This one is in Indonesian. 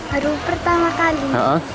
baru pertama kali